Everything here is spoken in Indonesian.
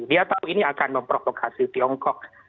dia tahu ini akan memprovokasi tiongkok